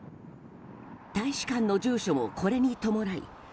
大使館の住所も、これに伴い